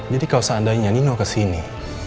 jadi kalau seandainya ino kesini